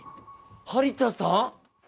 張田さん？